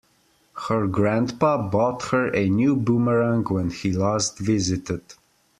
Her grandpa bought her a new boomerang when he last visited.